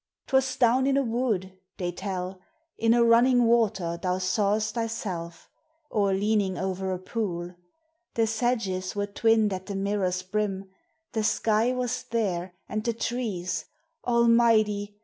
'Twas down in a wood they tell In a running water thou sawest thyself Or leaning over a pool: The sedges Were twinn'd at the mirror's brim The sky was there and the trees Almighty!